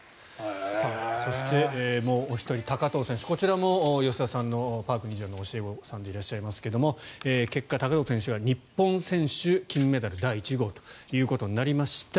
そして、もうお一人高藤選手ですがこちらも吉田さんのパーク２４の教え子さんでいらっしゃいますが結果、高藤選手は日本選手金メダル第１号となりました。